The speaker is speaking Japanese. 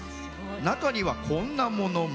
中には、こんなものも。